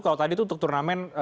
kalau tadi itu untuk turnamen